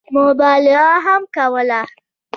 مبالغه هم کوله.